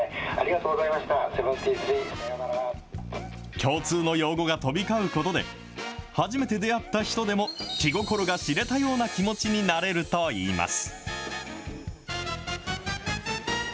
共通の用語が飛び交うことで、初めて出会った人でも気心が知れたような気持ちになれるといいます。